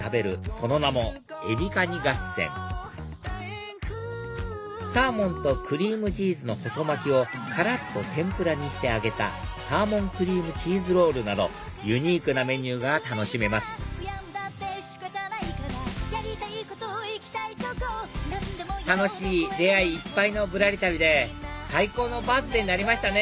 その名もエビカニ合戦サーモンとクリームチーズの細巻きをからっと天ぷらにして揚げたサーモンクリームチーズロールなどユニークなメニューが楽しめます楽しい出会いいっぱいのぶらり旅で最高のバースデーになりましたね